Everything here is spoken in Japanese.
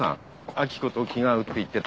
明子と気が合うって言ってた。